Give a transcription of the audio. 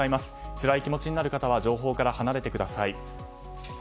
つらい気持ちになる方は情報から離れてください。